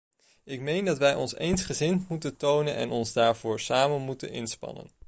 Ik meen dat wij ons eensgezind moeten tonen en ons daarvoor samen moeten inspannen.